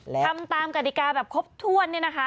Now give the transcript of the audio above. ทำตามกฎิกาแบบครบถ้วนเนี่ยนะคะ